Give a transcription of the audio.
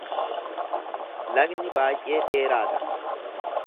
Lagni baay’ee dheeraa dha.